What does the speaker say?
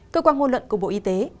cơ quan hôn luận của bộ y tế